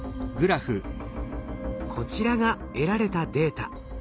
こちらが得られたデータ。